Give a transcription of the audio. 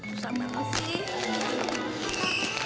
susah banget sih